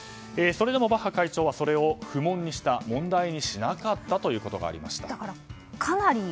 それでもバッハ会長はそれを不問にした問題にしなかったことがありました。